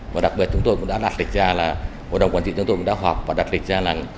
và đặc biệt chúng tôi cũng đã đặt lịch ra là hội đồng quản trị chúng tôi cũng đã họp và đặt lịch ra là